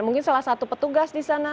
mungkin salah satu petugas di sana